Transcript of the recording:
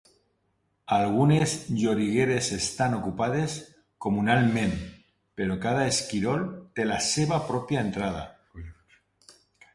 Algunes llorigueres estan ocupades comunalment, però cada esquirol té la seva pròpia entrada.